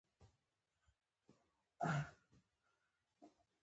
په هم هغه کې زما زړه تپېږي